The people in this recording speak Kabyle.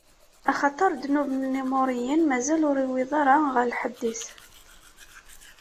Axaṭer ddnub n Imuriyen mazal ur iwwiḍ ara ɣer lḥedd-is.